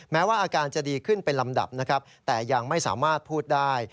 แม้ว่าอาการจะดีขึ้นเป็นลำดับนะครับแต่ยังไม่สามารถพูดได้